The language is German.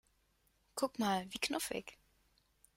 Guck mal, wie knuffig!